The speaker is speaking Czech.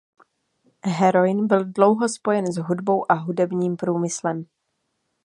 Heroin byl dlouho spojen s hudbou a hudebním průmyslem.